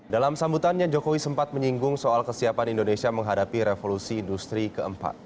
dalam sambutannya jokowi sempat menyinggung soal kesiapan indonesia menghadapi revolusi industri keempat